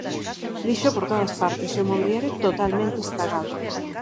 Lixo por todas partes e o mobiliario totalmente estragado.